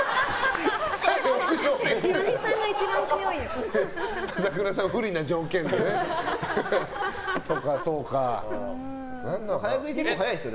岩井さんが一番強いよ。